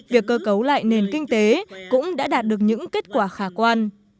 việc cơ cấu lại nền kinh tế cũng đã đạt được những kết quả khả quan